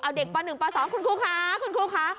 เอาเด็กป๑ป๒คุณครูคะ